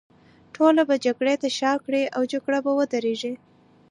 ټول به جګړې ته شا کړي، او جګړه به ودرېږي.